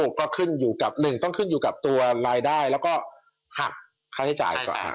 ก็ขึ้นอยู่กับ๑ต้องขึ้นอยู่กับตัวรายได้แล้วก็หักค่าใช้จ่ายก่อน